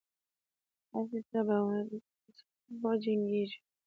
ستاسي سره به وجنګیږو.